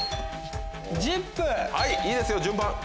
いいですよ順番。